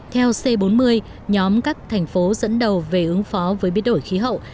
theo c bốn mươi nhóm các thành phố dẫn đầu về ứng phó với biến đổi khí hậu